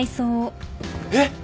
えっ！